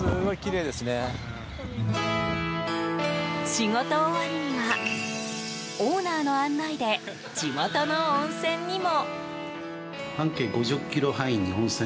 仕事終わりにはオーナーの案内で地元の温泉にも。